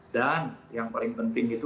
dan yang paling penting itu